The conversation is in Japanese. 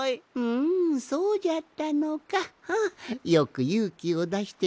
んんそうじゃったのか。